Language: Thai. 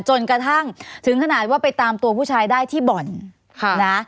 จนกระทั่งถึงขนาดว่าไปตามตัวผู้ชายได้ที่บ่อนนะ